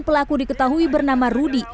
pelaku diketahui bernama rudha